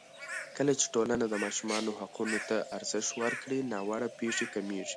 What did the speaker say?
کله چې ټولنه د ماشومانو حقونو ته ارزښت ورکړي، ناوړه پېښې کمېږي.